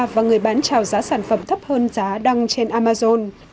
và người bán trào giá sản phẩm thấp hơn giá đăng trên amazon